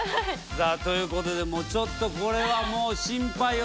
さあということでもうちょっとこれは心配よ